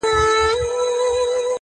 اوس سپوږمۍ نسته اوس رڼا نلرم.